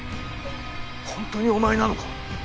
ほんとにお前なのか？